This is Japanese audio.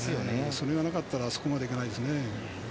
それがなかったらあそこまで行かないですね。